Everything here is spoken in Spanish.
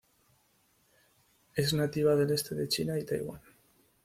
Es nativa del este de China y Taiwan.